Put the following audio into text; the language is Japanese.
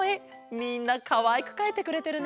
みんなかわいくかいてくれてるね。